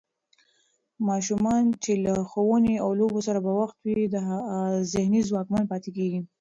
ماشومان چې له ښوونې او لوبو سره بوخت وي، ذهني ځواکمن پاتې کېږي.